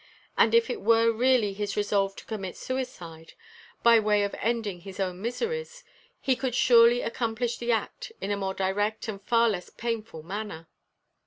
And if it were really his resolve to commit suicide, by way of ending his own miseries, he could surely accomplish the act in a more direct and far less painful manner.